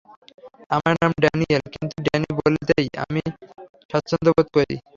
আমার নাম ড্যানিয়েল, কিন্তু ড্যানি বলতেই আমি স্বাচ্ছন্দ্যবোধ করি।